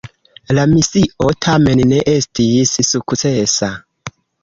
La misio tamen ne estis sukcesa.